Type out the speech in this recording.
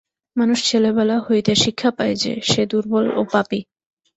মানুষ ছেলেবেলা হইতে শিক্ষা পায় যে, সে দুর্বল ও পাপী।